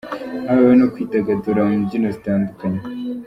Habayeho no kwidagadura mu mbyino zitandukanye.